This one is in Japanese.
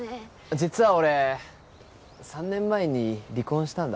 実は俺３年前に離婚したんだ。